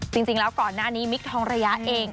จริงแล้วก่อนหน้านี้มิคทองระยะเอง